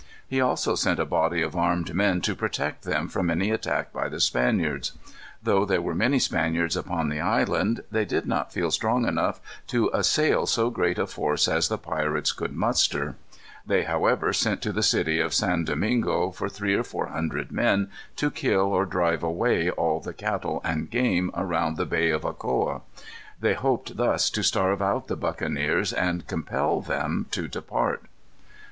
He also sent a body of armed men to protect them from any attack by the Spaniards. Though there were many Spaniards upon the island, they did not feel strong enough to assail so great a force as the pirates could muster. They, however, sent to the city of San Domingo for three or four hundred men, to kill or drive away all the cattle and game around the Bay of Ocoa. They hoped thus to starve out the buccaneers, and compel them to depart.